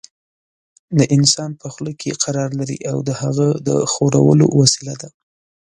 د انسان په خوله کې قرار لري او د هغه د ښورولو وسیله ده.